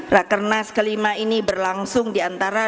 rakenas kelima ini berlangsung diantara